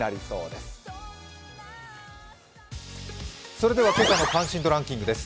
それでは今朝の関心度ランキングです。